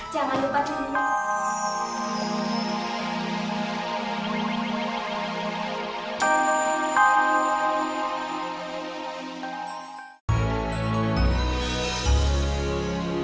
jangan lupa juleha